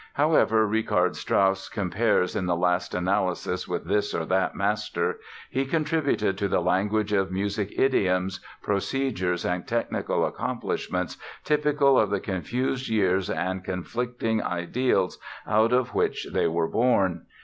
However Richard Strauss compares in the last analysis with this or that master he contributed to the language of music idioms, procedures and technical accomplishments typical of the confused years and conflicting ideals out of which they were born.